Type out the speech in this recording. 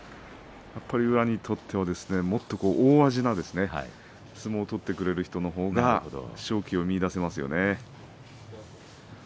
宇良にとっては、もっと大味な相撲を取ってくれる人のほうが勝機を見いだせますね。